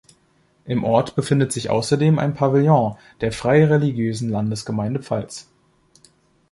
Im Ort befindet sich außerdem ein Pavillon der Freireligiösen Landesgemeinde Pfalz.